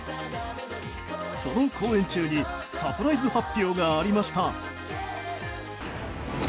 その公演中にサプライズ発表がありました。